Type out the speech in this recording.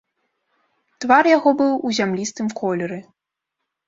Твар яго быў у зямлістым колеры.